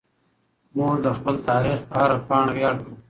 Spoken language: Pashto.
موږ د خپل تاریخ په هره پاڼه ویاړ کوو.